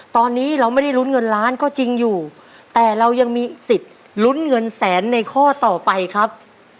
ตอนนี้เราไม่ได้ลุ้นเงินล้านก็จริงอยู่แต่เรายังมีสิทธิ์ลุ้นเงินแสนในข้อต่อไปครับ